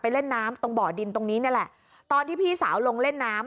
เล่นน้ำตรงบ่อดินตรงนี้นี่แหละตอนที่พี่สาวลงเล่นน้ำ